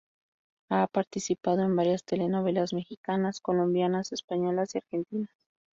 Ha participado en varias telenovelas mexicanas, colombianas, españolas y argentinas.